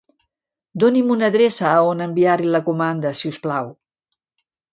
Doni'm una adreça a on enviar-li la comanda, si us plau.